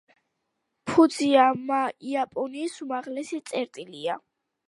ფუძიამა იაპონიის უმაღლესი წერტილია.